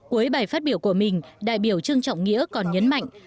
cuối bài phát biểu của mình đại biểu trương trọng nghĩa còn nhấn mạnh